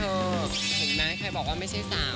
เห็นไหมใครบอกว่าไม่ใช่สาว